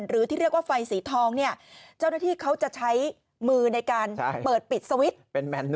หรือที่เรียกว่าไฟสีทองเนี่ยเจ้าหน้าที่เขาจะใช้มือในการเปิดปิดสวิตช์